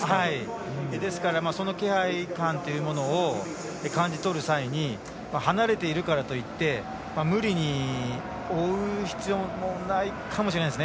ですから、その気配感というのを感じ取る際に離れているからといって無理に追う必要もないかもしれないです。